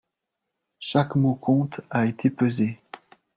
Chaque mot compte a été pesé.